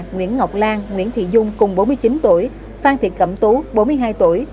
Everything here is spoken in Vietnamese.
nguyễn ngọc lan nguyễn thị dung cùng bốn mươi chín tuổi phan thị cẩm tú bốn mươi hai tuổi